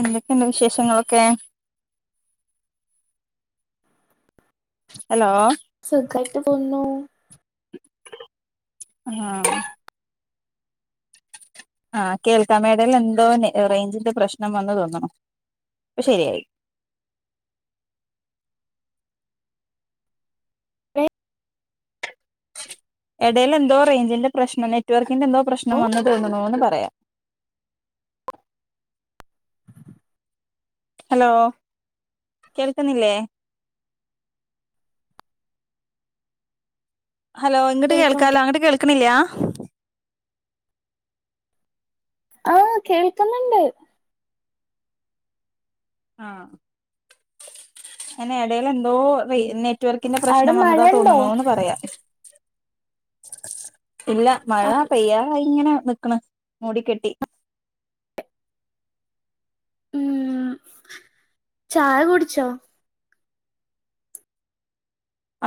എന്തൊക്കെയുണ്ട് വിശേഷങ്ങളൊക്കെ ഹലോ സുഖായിട്ട് പോന്നു ആഹ ആഹ കേൾക്കാ എടെൽ എന്തോ റേഞ്ചിന്റെ പ്രശ്നം വന്ന് തോന്നണു പ്പൊ ശരിയായി [unintelligible] ഇഡെലെന്തോ റേഞ്ചിന്റെ പ്രശ്നം നെറ്റ്വർക്കിന്റെ എന്തോ പ്രശ്നം വന്ന് തോന്നണൂന്ന് പറയാ ഹലോ കേൾക്കുന്നില്ലേ ഹലോ ഇങ്ങിട്ട് കേൾക്ക കേൾക്കാലോ അങ്ങിട്ട് കേൾക്കണില്ല്യാ ആഹ കേൾക്കുന്ന്ണ്ട് ആഹ് അന്നെ എടേൽ എന്തോ ഉം നെറ്റ്വർക്കിന്റെ അവിടെ പ്രശ്നം വന്നതാ മഴണ്ടോ തോന്നണന്ന് പറയാം ഇല്ല മഴ പെയ്യാറായി ഇങ്ങനെ നിക്കണ് മൂടി കെട്ടി ഉം ചായ കുടിച്ചോ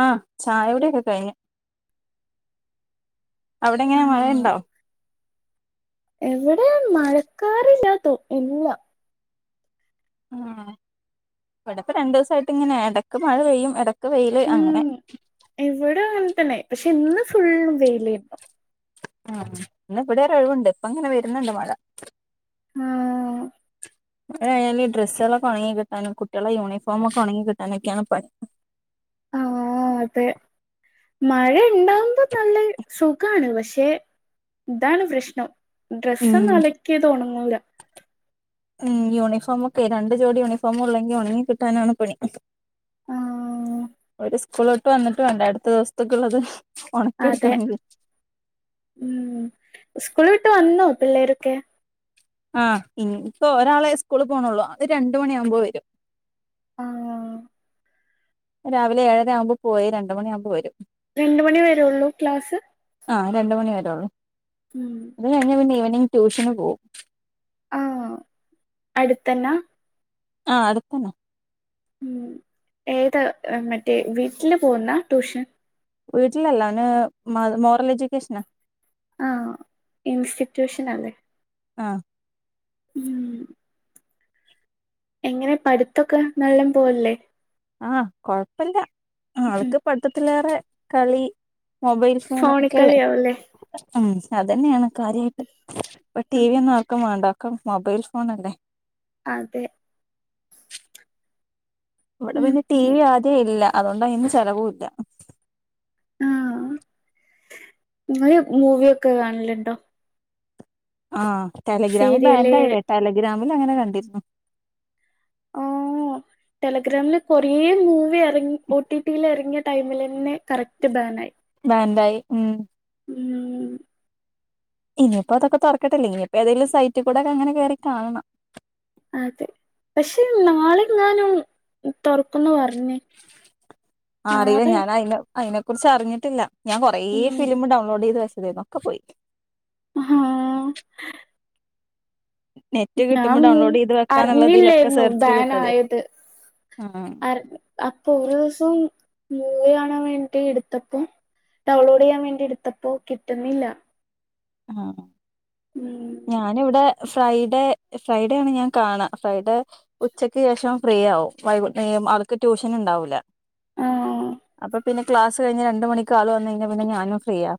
ആഹ് ചായവിടെക്കെ കഴിഞ്ഞു അവിടെ എങ്ങനെ മഴ ഉണ്ടോ എവിടെ മഴക്കാറില്ലാത്തോ എല്ലാം ആഹ് ഇവിടെപ്പോ രണ്ടോസായിട്ട് ഇങ്ങനെ ഇടക്ക് മഴ പെയ്യും ഇട വെയില് അങ്ങനെ ഉം ഇവിടെ അങ്ങനെ തന്നെപക്ഷെ ഇന്ന് ഫുള്ള് വെയിലാരുന്നു ആഹ് ഇന്ന് ഇവിടെ ഒരു ഒഴിവുണ്ട് ഇപ്പൊ ഇങ്ങനെ വരുന്നുണ്ട് മഴ ആഹ് [unintelligible] ഡ്രസ്സുകളൊെക്കെ ഉണങ്ങി കിട്ടാനും കുട്ടികളെ യൂണഫോമൊക്കെ ഉണങ്ങി കിട്ടാനൊക്കെയാണ് പണി ആഹ് അതെ മഴ ഉണ്ടാവുമ്പോൾ നല്ല സുഖാണ് പക്ഷെ താണ് പ്രശ്നം ഡ്രസ്സൊന്ന് ഉം അലക്കിയത് ഉണങ്ങില്ല [unintelligible] ഉം യൂണിഫോമും ഒക്കെ രണ്ട് ജോടി യൂണിഫോമ് ഉള്ളെങ്കിൽ ഉണങ്ങി കിട്ടാനാണ് പണി ആഹ് ഒരു സ്കൂള്‌വിട്ട് വന്നിട്ട് വേണ്ടേ അടുത്ത ദിവസത്തേക്കുള്ളള്ളത് അതെ ഉണക്കിെടുക്കണമെങ്കിൽ ഉം സ്കൂള് വിട്ട് വന്നോ പിള്ളേരൊക്കെ ആഹ് ഇനിപ്പോ ഒരാളെ സ്കൂള് പോണള്ളൂ അത് രണ്ട് മണിയാവുമ്പോ വരും ആഹ് രാവിലെ ഏഴര ആവുമ്പോൾ പോയി രണ്ട് മണിയാകുമ്പോൾ വരും രണ്ട് മണി വരെള്ളൂ ക്ലാസ് ആഹ് രണ്ട് മണി വരള്ളൂ ഉം അത് കഴിഞ്ഞ പിന്നെ ഈവനിങ് ട്യൂഷന് പോകും ആഹ് അടുത്തന്നാ ആഹ് അടുത്തന്നെ ഉം ഏതാ മറ്റേ വീട്ടില് പോകുന്നാ ട്യൂഷൻ വീട്ടിലല്ല മോറൽ എഡ്യൂക്കേഷനാ ആഹ് ഇൻസ്റ്റിറ്റ്യൂഷനാ ആഹ് ഉം എങ്ങനെ പഠിത്തൊക്കെ നല്ല പോവല്ലേ ആഹ് കൊഴപ്പല്ല അവൾക്ക് പഠത്തത്തിലേറെ കളി മൊബൈൽ ഫോൺ ഒക്കെല്ലേ ഫോണിക്കളിയാവുല്ലേ ഉം അതന്നെയാണ് കാര്യായിട്ട് ഇപ്പൊ ടി വി ഒന്നും ആർക്കും വേണ്ട ഒക്കെ മൊബൈൽ ഫോൺ അല്ലേ അതെ ഇവിടെ ഉം പിന്നെ ടി ഉം വി ആദ്യെ ഇല്ല അതുകൊണ്ട് അതിന്ന് ചെലവും ഇല്ല ആഹ് ഇങ്ങള് മൂവിയൊക്കെ കാണലുണ്ടോ ആഹ് ടെലഗ്രാം സീരിയല് ബാൻഡ് ആയില്ലേ ടെലഗ്രാമിൽ അങ്ങനെ കണ്ടിരുന്നു ഓഹ് ടെലഗ്രാമില് കൊറേ മൂവി ഇറങ്ങി ടി ടിയിൽ ഇറങ്ങിയ ടൈമിൽ തന്നെ കറക്റ്റ് ബേൺ ആയി ബാൻഡായി ഉം ഉം ഇനിയിപ്പോ അതൊക്കെ തുറക്കട്ടെ ഇനിപ്പോ ഏതെങ്കിലും സൈറ്റ് കൂടെക്കെ അങ്ങനെ കേറി കാണണം അതെ പക്ഷെ നാളെങ്ങാനും തുറക്കുന്നു പറഞ് ആഹ് അറീല്ല ഞാൻ അയിനെ അയ്നെ കുറിച്ച് അറിഞ്ഞിട്ടില്ല ഞാൻ കുറെ ഉം ഫിലിം ഡൗൺലോഡ് ചെയ്ത് വച്ചതായിരുന്നു ഒക്കെ പോയി ആഹ് നെറ്റ് കിട്ടുമ്പോ ഞാൻ ഡൗൺലോഡ് ചെയ്ത് വെക്കാന്നുള്ളതിലൊക്കെ അറിഞ്ഞില്ലേരുന്നു സെർച്ച് ചെയ്തിട്ടതായിരുന്നു ബാനായത്. ആഹ് അർ അപ്പൊ ഒരു ദിവസം മൂവി കാണാൻ വേണ്ടി എടുത്തപ്പോ ഡൗൺലോഡ് ചെയ്യാൻ വേണ്ടി എടുത്തപ്പോ കിട്ടുന്നില്ല ആഹ് ഉം ഞാനിവിടെ ഫ്രൈഡേ ഫ്രൈഡേ ആണ് ഞാൻ കാണ ഫ്രൈഡേ ഉച്ചയ്ക്ക് ശേഷം ഫ്രീ ആവും വൈ അവൾക്ക് ട്യൂഷൻ ഇണ്ടാവൂല ആഹ് അപ്പൊ പിന്നെ ക്ലാസ് കഴിഞ്ഞ് രണ്ട് മണിക്ക് ആള് വന്ന് കഴിഞ്ഞാ പിന്നെ ഞാനും ഫ്രീയാ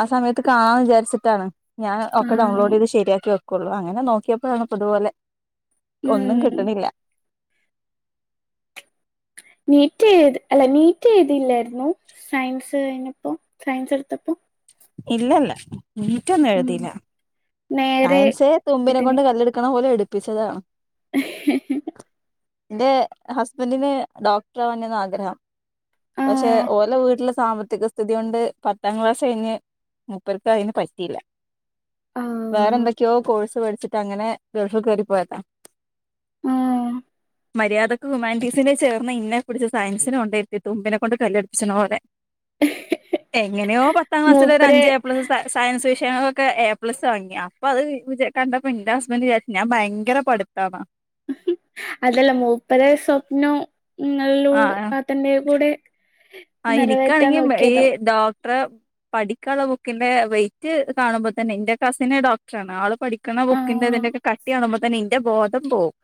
ആഹ് സമയത്ത് കാണാന്ന് വിചാ ച്ചിട്ടാണ് ഞാൻ ഒക്കെ ആഹ് ഡൗൺലോഡ് ചെയ്ത് ശരിയാക്കി വെക്കുള്ളു അങ്ങനെ നോക്കിയപ്പഴാണ് ഇപ്പതുപോലെ ഒന്നും ഉം കിട്ടണില്ല നീറ്റ്ത് അല്ല നീറ്റ് എഴുതിയില്ലായിരുന്നു സയൻസ് കഴിഞ്ഞപ്പോ സയൻസ് എടുത്തപ്പം ഇല്ലല്ല നീറ്റൊന്നും ഉം എഴുതീല്ല നേരെ സയൻസെ തുമ്പിനെ ഇതിന് കൊണ്ട് കല്ലെടുക്കണ പോലെ എടുപ്പിച്ചതാണ് [unintelligible] എന്റെ ഹസ്ബന്റിന് ഡോക്ടറാവാനാര്ന്നു ആഗ്രഹം പക്ഷെ ആഹ് ഓലെ വീട്ടില സാമ്പത്തിക സ്ഥിതി കൊണ്ട് പത്താം ക്ലാസ് കഴിഞ്ഞ് മുപ്പർക്കയിന് പറ്റിയില്ല ആഹ് വേറെന്തൊക്കെയോ കോഴ്സ് പഠിച്ചിട്ട് അങ്ങനെ ഗൾഫി കേറി പോയതാ ആഹ് മര്യാദക്ക് ഹ്യുമാന്റീസിന് ചേർന്ന ഇന്നെ പിടിച്ച് സയൻസിന് കൊണ്ടോയിരുത്തി തുമ്പിനെ കൊണ്ട് കല്ലെടിപ്പിച്ചണ പോലെ എങ്ങനെയോ പത്താം മൂപ്പരെ ക്ലാസ്സിലൊരഞ്ച് ഏ പ്ലസ് സയൻസ് വിഷയങ്ങൾളൊക്കെ എ പ്ലസ് വാങ്ങി അപ്പൊ അത് വി കണ്ടപ്പോ എന്റെ ഹസ്ബന്റ് വിചാരിച്ചു ഞാൻ ഭയങ്കര പഠിത്താണ് അതല്ല മൂപ്പരെ സ്വപ്നോ ഇങ്ങളിലൂടെ തന്നെ കൂടെ ആഹ് നിറവേറ്റാൻ എനിക്കാണെങ്കി ഈ നോക്കിയതാവും ഡോക്ടർ പഠിക്കാനുള്ള ബുക്കിന്റെ വെയിറ്റ് കാണുമ്പോ തന്നെ എന്റെ കസിന് ഡോക്ടറാണ് ആള് പഠിക്കണ ബുക്കിന്റെ ആഹ് അതിന്റെക്കെ കട്ടി കട്ടി കാണുമ്പോ തന്നെ ന്റെ ബോധം പോവും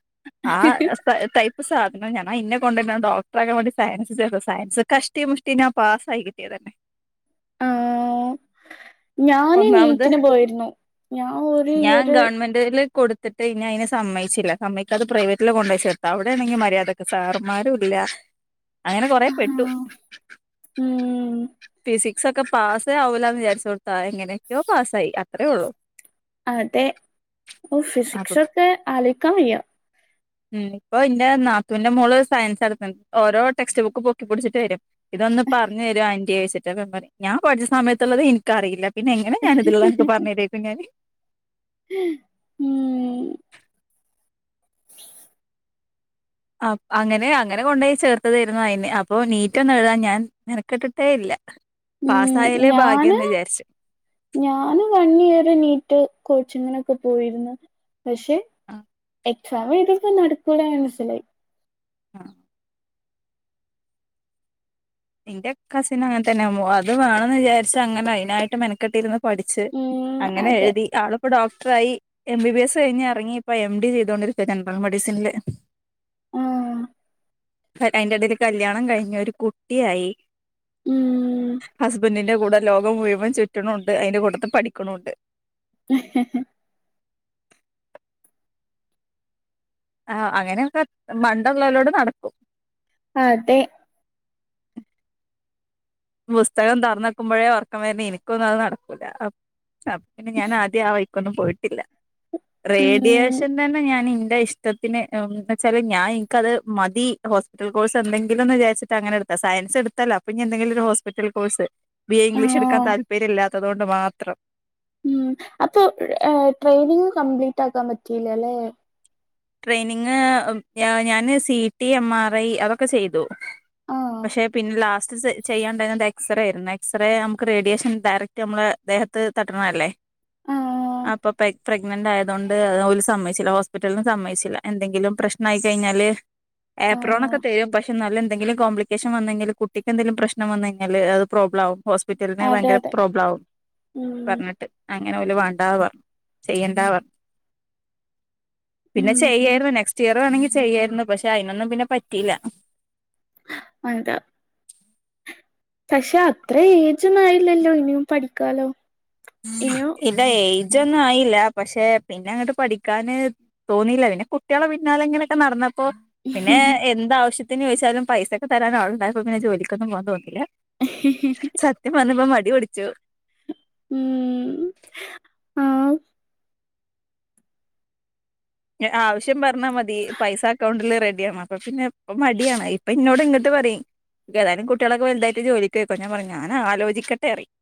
ആഹ് ടൈപ്പ് സാധനം ഞാ ഇന്നെ കൊണ്ട [unintelligible] ഡോക്ടർ ആക്കാൻ വേണ്ടി സയൻസ് ചേർ സയൻസ് കഷ് തട്ടീം മുഷ്ടനാ പാസായി കിട്ടിയതന്നെ ആഹ് ഞാന് ഒന്നാമത് നീറ്റിന് പോയിരുന്നു ഞാന് ഒരു ഞാൻ ഇയർ ഗവൺമെന്റില് കൊടുത്തിട്ട് ഇനി അതിനെ സമ്മയിച്ചില്ല സമ്മയിക്കാതെ പ്രൈവറ്റിൽ കൊണ്ടു പോയി ചേർത്ത അവിടെയാണെങ്കിൽ മര്യാദ സാറമ്മാരൂല്ല അങ്ങനെ കൊറെേ പെട്ടു ആഹ് ഉം ഫിസിക്സ് ഒക്കെ പാസേ ആവൂലാന്ന് വിചാരിച്ചോ എങ്ങനെയൊക്കെയോ പാസ്സായി അത്രേ ഉള്ളു അതെ ഓഹ് ഫിസിക്സൊക്കെ ആലോയിക്കാൻ വയ്യാ [unintelligible] മ് ഇപ്പൊ ഇന്റെ നാത്തുവിന്റെ മോള് സയൻസ് അടുത്തത് ഓരോ ടെക്സ്റ്റ് ബുക്ക് പൊക്കി പിടിച്ചിട്ട് വരും ഇതൊന്ന് പറഞ്ഞരോ ആന്റിയെച്ചിട്ട്ന്നക്ക പറയും ഞാൻ പഠിച്ച സമയത്തുള്ളത് എനിക്കറിയില്ല പിന്നെ എങ്ങനെ ഞാനിതിലുള്ളത് അനക്ക് പറഞ്ഞു തര ചോയിക്കും ഞാന് [unintelligible] ഉം ആഹ് അങ്ങനെ അങ്ങനെ കൊണ്ടോയി ചേർത്തതായിരുന്നു അയിനെ അപ്പൊ നീറ്റൊന്നും എഴതാൻ ഞാൻ മെനക്കെട്ടിട്ടേ ഇല്ല ഉം പാസായല്ലേ ഞാന് ഭാഗ്യംന്ന് വിചാരിച്ചു ഞാന് വൺ ഇയർ നീറ്റ് കോച്ചിങ്ങിനൊക്കെ പോയിരുന്നു പക്ഷെ ആഹ് എക്സാം എഴുതിയപ്പ നടക്കൂല മനസ്സിലായി അഹ് ഇന്റെ കസിൻ അങ്ങനെ തന്നെുമോ അത് വേണന്ന് വിചാരിച്ച അങ്ങനെ അതിനായിട്ട് മെനക്കെട്ടിര്ന്ന് പഠിച്ച് ഉം അങ്ങനെ അതെ എഴുതി ആളിപ്പോ ഡോക്ടറായി എം ബി ബി എസ് കഴിഞ്ഞ് ഇറങ്ങി ഇപ്പ എം ഡി ചെയ്തോണ്ടിരിക്ക ജനറൽ മെഡിസിനില് ആഹ് അയിന്റെ ഇടൽ കല്യാണം കഴിഞ്ഞു ഒരു കുട്ടിയായി ഉം ഹസ്ബൻഡിന്റെ കൂടെ ലോകം മുഴുവൻ ചുറ്റണുഉണ്ട് അതിന്റെ കൂട്ടത്ത്ൽ പഠിക്കണുണ്ട് ആ അങ്ങനെയൊക്കെ മണ്ടള്ളലോടെ നടക്കും. അതെ. പുസ്തകം തറന്നക്കുമ്പോഴേ ഉർക്കം വരുന്ന എനിക്കൊന്നും അത് നടക്കൂല പിന്നെ ഞാൻ ആദ്യം ആ വാഴിക്ക് ഒന്നും പോയിട്ടില്ല ഉം റേഡിയേഷൻ തന്നെ ഞാൻ എന്റെ ഇഷ്ടത്തിന്ന്ന് വെച്ചാല് ഞാൻ എനിക്കത് മതി. കോഴസ് എന്തെിലുന്ന് വിചാരിച്ചിട്ട് അങ്ങനെ എടുത്ത സയൻസ് എടുത്തല്ലോ അപ്പനി എന്തെിലും. Hospital course B A English എടുക്കാൻ ആഹ് താല്പര്യമല്ലാത്തതുക കൊണ്ട് മാത്രം. ഉം അപ്പൊ ട്രെയിനിങ് കംപ്ലീറ്റ് ആാക്കാൻ പറ്റിയില്ല അല്ലേ? ട്രെയിനിങ് ഞാന് C T M R I അതൊക്കെ ചെയ്തു ആഹ് പക്ഷെ പിന്നെ ലാസ്റ്റ് ചെയ്യണ്ടയിനത്. എക്സറേ ആയിരുന്നു എക്സറേ നമുക്ക് റേഡിയേഷൻ ഡയറക്റ്റ് നമ്മള് ദേഹത്ത് തട്ടണ അല്ലേ? ആഹ് അപ്പൊ പ്രെഗ്നന്റ് ആയതൊണ്ട് ഒരു സമ്മയിച്ചില്ല ഹോസ്പിറ്റല്ന്ന്. സമ്മയിച്ചില്ല എന്തെങ്കിലും പ്രശ്ന ആയി കഴിഞ്ഞാല്. ഏപ്രോൺ ആഹ് ഒക്കെ തരും പക്ഷെ നല്ല എന്തെങ്കിലും കോപ്ലിക്കേഷൻ വന്നെങ്കിൽ കുട്ടക്ക് എന്തെങ്കും പ്രശ്നം വന്നെങ്കിൽ അത്. പ്രോബ്ലം ആവും ഹോസ്പിറ്റലിന് അതെ ഭയങ്കര അതെ പ്രോബ്ലം ആകും ഉം പറഞ്ഞിട്ട്. അങ്ങനെ ഓൽ വേണ്ടാ പറഞ്ഞു ചെയ്യേണ്ടാ പറഞ്ഞു. പിന്നെ ഉം ചെയ്യായിരുന്നു നെക്സ്റ്റ് ഇയർ വേണമെങ്കി ചെയ്യായിരുന്നു പക്ഷെ അതിനൊന്നും പിന്നെ പറ്റിയില്ല. [unintelligible] പക്ഷെ അത്ര ഏജ് ഒന്നും ആയില്ലല്ലോ ഇനിയും പഠിക്കാലോ ഇനിയും. ഇല്ല ഏജ് ഒന്നും ആയില്ല പക്ഷെ പിന്നെ അങ്ങോട്ട് പഠിക്കാന് തോന്നില്ല പിന്നെ കുട്ടികളെ പിന്നാലെങ്ങനെയൊക്കെ നടന്നപ്പോ പിന്നെ എന്താവശ്യത്തിനു ചോദിച്ചാലും പൈസൊക്കെ തരാൻ ആൾ ഉണ്ടായോണ്ട് പിന്നെ ജോലിക്കൊന്നും പോകൻ തോന്നില്ല. സത്യം പറഞ്ഞാപ്പൊ മടിപിടിച്ചു. ഉം ആ ആവശ്യം പറഞ്ഞാ മതി പൈസ അക്കൗണ്ടിൽ റെഡിയ അപ്പൊ പിന്നെ. അപ്പൊ മടിയാണ് ഇപ്പൊ ഇന്നോട് ഇങ്ങോട്ട് പറയും. ഏതായാലും കുട്ടികളക്കെ വലതായിട്ട് ജോലിക്ക് പൊയ് ക്കോ ഞാൻ പറയും ഞൻ ആലോചിക്കട്ടെ പറയും.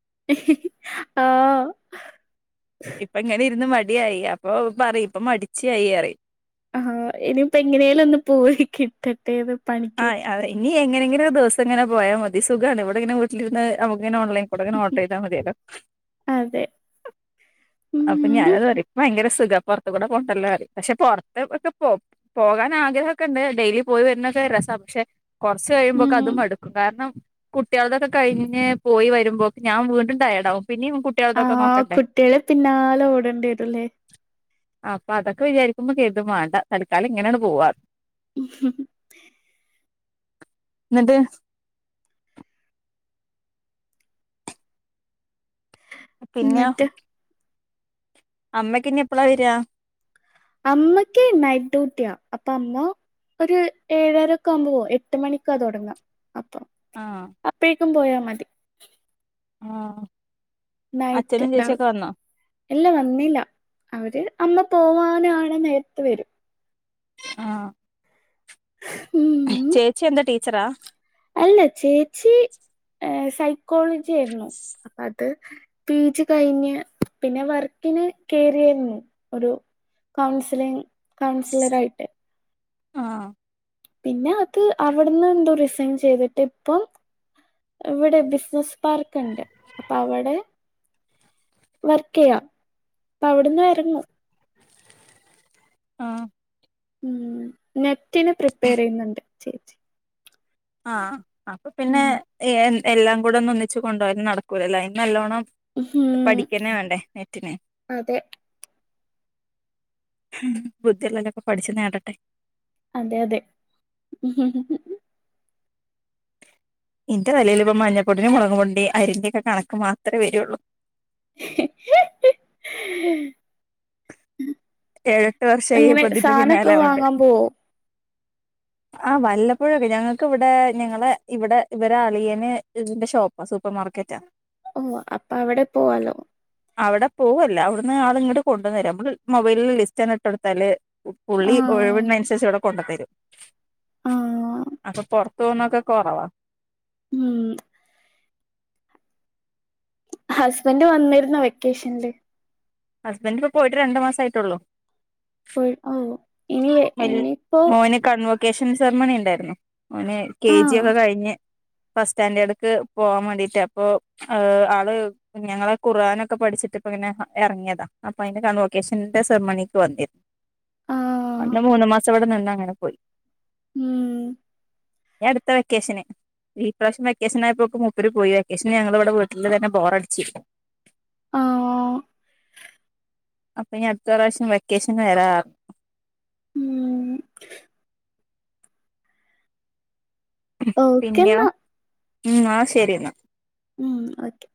ആഹ. ഇപ്പ ഇങ്ങനെ ഇരുന്ന് മടിയായി അപ്പൊ പറ ഇപ്പൊ മടിച്ചിയായി പറയും. ആഹ ഇനിയിപ്പോ എങ്ങനെയാലും ഒന്ന് പോയി കിട്ടട്ടെ പണിക്ക്. ആഹ് അതെ ഇനി എങ്ങനെങ്ങനെ ദിവസം ങ്ങനെ പോയാ മതി സുഗാണ് ഇവിടെങ്ങനെ. വട്ടിലിരുന്ന് നമുക്ക് ഇങ്ങെനെ ഓൺലൈൻ കൂടെങ്ങനെ ഓർഡർ ചെയ്താൽ മതിയല്ലോ. അതെ അപ്പൊ ഉം ഞാന് അത് പറയും ഭയങ്കര സുഖ പുറത്ത കൂടെ പോണ്ടല്ലോ പക്ഷെ പുറത്ത ഒക്കെ പോവും പോകാൻ ആഗ്രഹക്കെ ഉണ്ട് ഡെയിലി പോയി വരുന്നൊക്കെ രസ് പക്ഷെ കൊറച്ച് കഴിയുമ്പോൊക്കെ ഉം അതും മടുക്കും കാരണം. കുട്ടികളൊതൊക്കെ കഴിഞ്ഞ് പോയി വരുമ്പോക് ഞാൻ വീണ്ടുടയെടാവും പിന്നെ. ആ കുട്ടികളെ പിന്നാലെ ഓടേണ്ടിവരൂല്ലേ? അപ്പൊ അതൊക്കെ വിചാരിക്കുമ്പോ. കെരുതുംവേണ്ട തൽക്കാലംങ്ങനെയാണ് പോവാ. എന്നിട്ട്. പിന്നെയോ? എന്നിട്ട് അമ്മക്ക് ഇനി എപ്പഴാ വരാ? അമ്മക്ക് നൈറ്റ് ഡ്യൂട്ടിയാ അപ്പൊ അമ്മ. ഒരു ഏഴായിരൊക്കെ ആവുമ്പോ പോ എട്ട് മണിക്കാ തുടങ്ങാ അപ്പൊ. ആ. അപ്പോഴേക്കും പോയാൽ മതി. ആ അച്ഛനും ചേച്ചിയൊക്കെ വന്നോ? ഇല്ലാ വന്നില്ല അവര് അമ്മ പോവാനാണ് നേരത്ത് വരും. ആഹ ഉം ചേച്ചി എന്താ ടീച്ചറാ അല്ല ചേച്ചി സൈക്കോളജി ആയിരുന്നു പിജി കഴിഞ്ഞ് പിന്നെ വർക്ക്ന് കേറിയാര്ന്നു ഒരു കൗൺസിലിങ് കൗൺസിലറായിട്ട് ആഹ് പിന്നത് അവ്ട്ന്ന് എന്തോ റിസൈൻ ചെയ്തിട്ട് ഇപ്പം ഇവടെ ബിസ്സ്നസ് പാർക്ക്ണ്ട് അപ്പ അവടെ വർക്കെയ്യാ അപ്പ അവ്ട്ന്ന് വര്ന്ന ആഹ് ഹ്മ്മ് നെറ്റിന് പ്രിപ്പയറെയ്യുന്നുണ്ട് ചേച്ചി ആഹ് അപ്പൊ പിന്നെ ഉം ഏഹ് എല്ലാം കൂട ഒന്ന് ഒന്നിച്ച് കൊണ്ടോല് നടക്കൂലലൊ അയ്ന് നല്ലോണം ഉം പഠിക്കെന്നെ വേണ്ടേ നെറ്റിന് അതെ ബുദ്ധിള്ളോല്ലൊക്കെ പഠിച്ച് നേടട്ടെ അതെ അതെ [inaudible] ഇന്റെ തലേല് ഇപ്പ മഞ്ഞപ്പൊടിന്റിം മൊളക്പൊടിന്റെ അരിന്റെക്കെ കണക്ക് മാത്രേ വരൊള്ളൂ [inaudible] ഏഴെട്ട് വർഷായി ഇങ്ങനെ ഇപ്പൊ ഇതിന്റെ സാനൊക്കെ പിന്നാലാവോണ്ട് വാങ്ങാൻ പോവോ ആഹ് വല്ലപ്പോഴൊക്കെ ഞങ്ങക്ക് ഇവ്ടെ ഞങ്ങളെ ഇവടെ ഇവരെ അളിയന് ഇതിന്റെ ഷോപ്പാ സൂപ്പർ മാർക്കറ്റാ ഓഹ് അപ്പ അവ്ടെ പോവാലൊ അവടെ പൂവല്ല അവ്ട്ന്ന് ആള് ഇങ്ങട്ട് കൊണ്ടെന്നെരാ നമ്മള് മൊബൈലില് ലിസ്റ്റ് ആണ്ട് ഇട്ടോട്ത്താല് പുള്ളി ആഹ് ഒഴിവ്നനുസരിച്ച് അവടെ കൊണ്ടെന്നെരും, ആഹ് അപ്പൊ പൊറത്ത് പോവുന്നൊക്കെ കൊറവാ ഉം ഹസ്ബൻഡ് വന്നിരുന്നോ വെക്കേഷൻല്- ഹസ്ബൻഡ് ഇപ്പൊ പോയിട്ട് രണ്ട് മാസായിട്ടൊള്ളു പോയി ഓഹ് ഇനി വെ ഇനിപ്പോ ഓന് കൺവക്കേഷൻ സെർമണിണ്ടായിരുന്നു ഓന് കേ ജി ആഹ് ഒക്ക കഴിഞ്ഞ് ഫസ്റ്റ് സ്റ്റാൻറ്റേഡ്ക്ക് പോവാൻ വാണ്ടീട്ട് അപ്പൊ ഏഹ് ആള് ഞങ്ങളാ ഖുർആനൊക്കെ പഠിച്ചിട്ട്പ്പ ഇങ്ങനെ എറങ്ങിയതാ അപ്പൊ അയ്ന്റെതാ ലൊക്കേഷന്റെ സെർമണിക്ക് [unintelligible] ആഹ് അന്ന് മൂന്ന് മാസം ഇവടെ നിന്ന് അങ്ങനെ പോയി ഹ്മ്മ് ഇനി അട്ത്ത വെക്കേഷന് ഈ പ്രാശ്യം വെക്കേഷനായപ്പോക്ക് മുപ്പര് പോയി വെക്കേഷൻ ഞങ്ങള് ഇവ്ടെ വീട്ട്ല് തന്നെ ബോറടിച്ചിര്ന്നു ആ [inaudible] അപ്പ ഇനി അട്ത്ത പ്രാവശ്യം വെക്കേഷന് വെരാ ഉം പിന്നെയോ ഓക്കെന്നാ ആഹ് ശെരിന്നാ ഹ്മ്മ് ഓക്കെ.